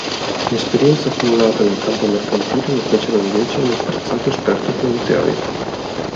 L'esperienza accumulata nel campo mercantile lo fecero invece un apprezzato esperto finanziario.